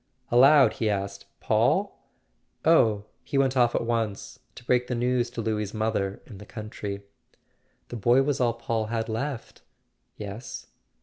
Aloud he asked: "Paul?" "Oh, he went off at once. To break the news to Louis' mother in the country." "The boy was all Paul had left." "Yes."